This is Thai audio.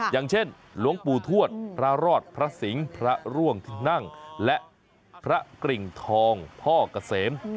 อย่างเช่นหลวงปู่ทวดพระรอดพระสิงห์พระร่วงที่นั่งและพระกริ่งทองพ่อเกษม